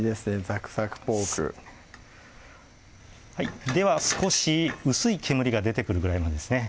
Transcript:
「ざくざくポーク」では少し薄い煙が出てくるぐらいまでですね